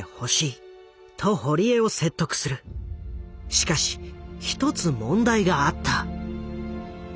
しかし一つ問題があった。